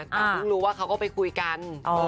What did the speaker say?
แต่เพิ่งรู้ว่าเขาก็ไปคุยกัน